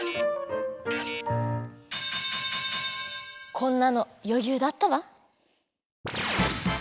こんなのよゆうだったわ。